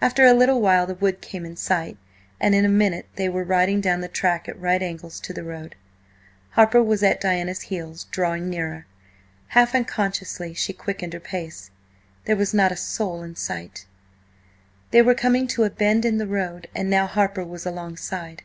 After a little while the wood came in sight, and in a minute they were riding down the track at right angles to the road. Harper was at Diana's heels, drawing nearer. Half unconsciously she quickened her pace. There was not a soul in sight. They were coming to a bend in the road, and now Harper was alongside.